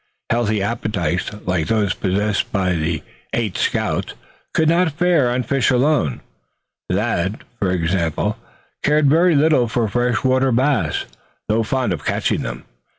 Healthy appetites like those possessed by the eight scouts could not fare on fish alone. Thad, for instance, cared very little for fresh water bass, though fond of catching them.